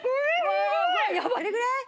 どれぐらい？